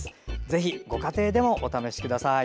ぜひ、ご家庭でもお試しください。